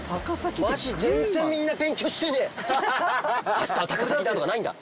あしたは高崎だ！とかないんだ。